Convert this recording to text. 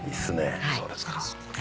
そうですか。